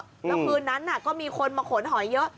แล้วคืนนั้นก็มีคนมาขนหอยเยอะ